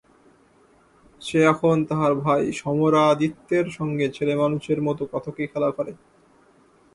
সে এখন তাহার ভাই সমরাদিত্যের সঙ্গে ছেলেমানুষের মতো কত কী খেলা করে।